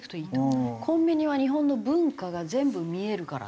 コンビニは日本の文化が全部見えるからって。